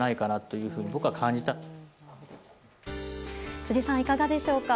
辻さん、いかがでしょうか。